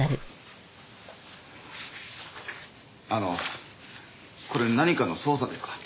あのこれ何かの捜査ですか？